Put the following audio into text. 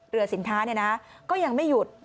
เรือสินค้าเนี่ยนะก็ยังไม่หยุด